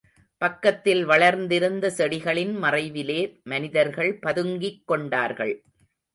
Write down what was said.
பக்கத்தில் வளர்ந்திருந்த செடிகளின் மறைவிலே மனிதர்கள் பதுங்கிக் கொண்டார்கள்.